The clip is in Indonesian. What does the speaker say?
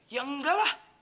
ya enggak lah